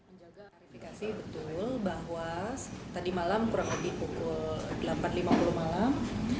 menjaga arifikasi betul bahwa tadi malam kurang lebih pukul delapan lima puluh malam